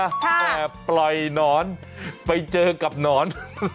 แต่ปล่อยหนอนไปเจอกับหนอน